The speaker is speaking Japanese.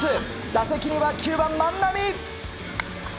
打席には９番、万波。